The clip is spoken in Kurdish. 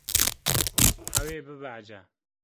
Ew ê bibehece.